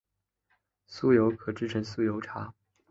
酥油可制成酥油茶。